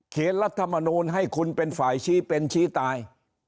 รัฐมนูลให้คุณเป็นฝ่ายชี้เป็นชี้ตาย